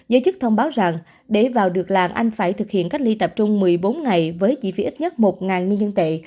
giới chức thông báo rằng để vào được làm anh phải thực hiện cách ly tập trung một mươi bốn ngày với chi phí ít nhất một nhân dân tệ